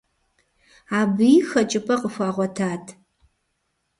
Абыи хэкӏыпӏэ къыхуагъуэтат.